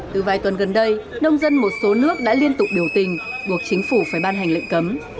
từ vài tuần gần đây nông dân một số nước đã liên tục biểu tình buộc chính phủ phải ban hành lệnh cấm